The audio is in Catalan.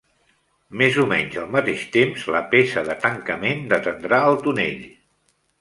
Més o menys al mateix temps, la peça de tancament detendrà el tonell .